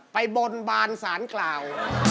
ไปบนบานสารกล่าว